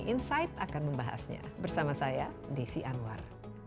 insight akan membahasnya bersama saya desi anwar